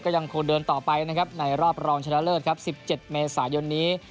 ก็ยังโครงเดินต่อไปในรอบรองชนะเลิศ๑๗เมษายนนี้